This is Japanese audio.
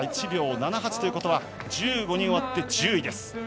１秒７８ということは１５人終わって１０位です。